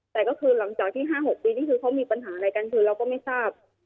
แต่ก็คือหลังจากที่๕๖ปีนี่คือเขามีปัญหาอะไรกันคือเราก็ไม่ทราบ